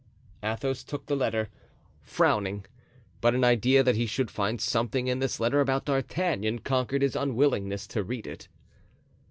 Athos took the letter, frowning, but an idea that he should find something in this letter about D'Artagnan conquered his unwillingness to read it.